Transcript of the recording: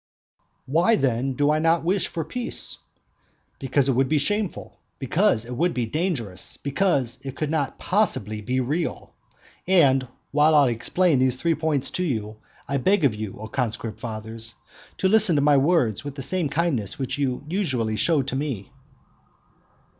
Why then do I not wish for peace? Because it would be shameful; because it would be dangerous; because it cannot possibly be real. And while I explain these three points to you, I beg of you, O conscript fathers, to listen to my words with the same kindness which you usually show to me.